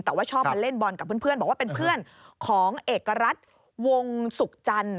แต่ว่าชอบมาเล่นบอลกับเพื่อนบอกว่าเป็นเพื่อนของเอกรัฐวงศุกร์จันทร์